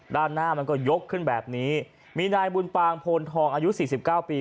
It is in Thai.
ด้านหน้ามันก็ยกขึ้นแบบนี้มีนายบุญปางโพนทองอายุสี่สิบเก้าปี